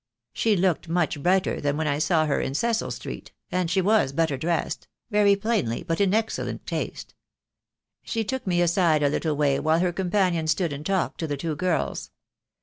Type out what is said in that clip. She looked much brighter than when I saw her in Cecil Street, and she was better dressed — very plainly, but in excellent taste. She took me aside a little way while her com panion stood and talked to the two girls.